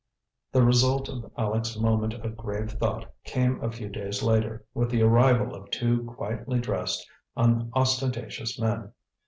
The result of Aleck's moment of grave thought came a few days later, with the arrival of two quietly dressed, unostentatious men.